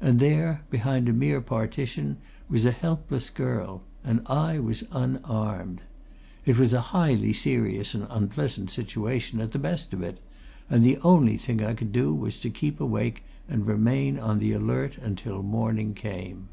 And there, behind a mere partition, was a helpless girl and I was unarmed. It was a highly serious and unpleasant situation, at the best of it, and the only thing I could do was to keep awake and remain on the alert until morning came.